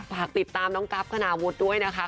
ฝากติดตามน้องกรัฟขนาวุธด้วยนะคะ